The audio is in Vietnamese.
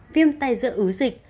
viêm tay giữa ứ dịch